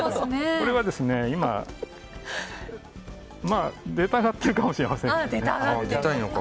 今出たがってるかもしれません。